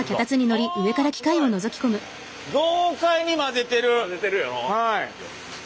豪快に混ぜてる！